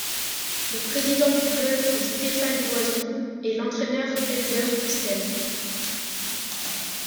Le président du club est Stéphane Loison et l'entraîneur Helder Esteves.